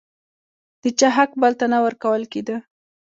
د چا حق بل ته نه ورکول کېده.